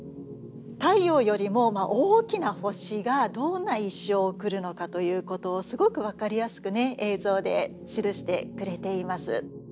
太陽よりも大きな星がどんな一生を送るのかということをすごく分かりやすくね映像で記してくれています。